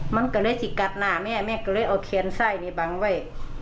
มันก็เลยที่กัดหน้าแม่แม่ก็เลยเอาแคนไส้นี้บังไว้